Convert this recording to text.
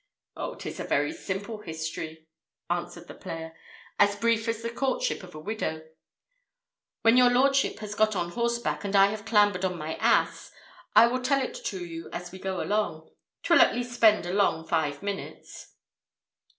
"Oh, 'tis a very simple history," answered the player, "as brief as the courtship of a widow. When your lordship has got on horseback, and I have clambered on my ass, I will tell it to you as we go along. 'Twill at least spend a long five minutes."